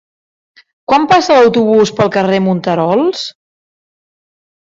Quan passa l'autobús pel carrer Monterols?